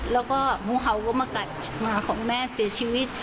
แล้วก็งูเห่าก็มากัดหมาของแม่เสียชีวิต